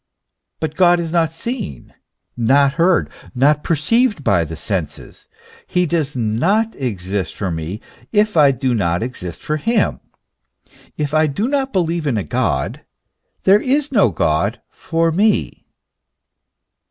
But God is not seen, not heard, not perceived by the senses. He does not exist for me, if I do not exist for him ; if I do not believe in a God, there is no God for me.